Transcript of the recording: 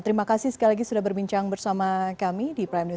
terima kasih sekali lagi sudah berbincang bersama kami di prime news